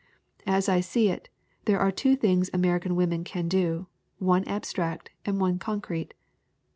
"As I see it there are two things American women can do one abstract and one concrete.